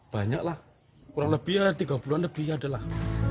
banyak lah kurang lebih tiga puluh an lebih adalah